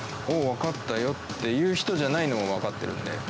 分かったよって言う人じゃないのは分かってるんで。